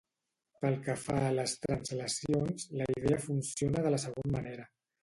Pel que fa a les translacions, la idea funciona de la següent manera.